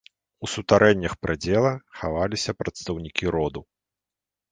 У сутарэннях прыдзела хаваліся прадстаўнікі роду.